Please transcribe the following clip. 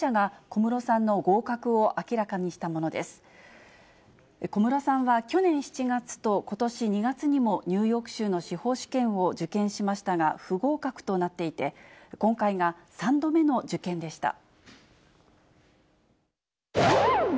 小室さんは去年７月とことし２月にもニューヨーク州の司法試験を受験しましたが、不合格となっていて、今回が３度目の受験でした。